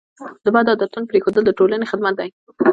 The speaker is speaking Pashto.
د بد عادتونو پرېښودل د ټولنې خدمت دی.